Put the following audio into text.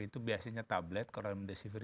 itu biasanya tablet kalau remdesivir